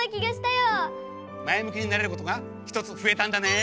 まえむきになれることがひとつふえたんだね。